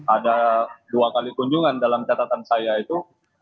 ada dua kali kunjungan dalam catatan saya itu